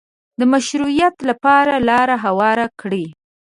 د مشروعیت لپاره لاره هواره کړي